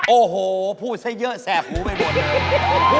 โอ้โหพูดให้เยอะแสกหูไม่บ่นเลย